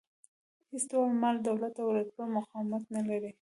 هېڅ ډول مال، دولت او رتبه مقاومت نه لري.